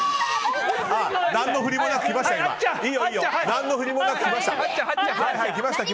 何の振りもなく来ました。